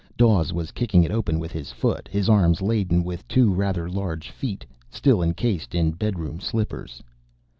Dawes was kicking it open with his foot, his arms laden with two rather large feet, still encased in bedroom slippers.